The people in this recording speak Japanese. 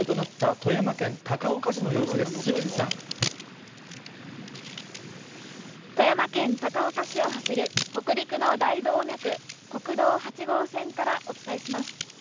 富山県高岡市を走る北陸の大動脈、国道８号線からお伝えします。